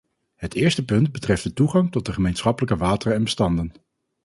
Het eerste punt betreft de toegang tot de gemeenschappelijke wateren en bestanden.